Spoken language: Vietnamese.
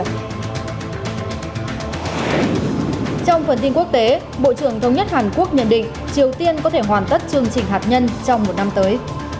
trong phần tin quốc tế bộ trưởng thống nhất hàn quốc nhận định triều tiên có thể hoàn tất chương trình hạt nhân trong một năm tới